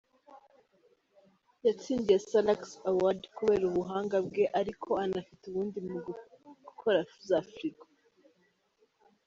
Yatsindiye Salax Award kubera ubuhanga bwe, araiko anafite ubundi mu gukora za Frigo.